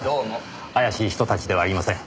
怪しい人たちではありません。